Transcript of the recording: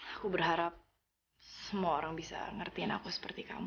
aku berharap semua orang bisa ngertiin aku seperti kamu